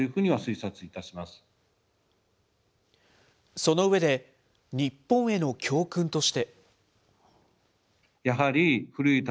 その上で、日本への教訓として。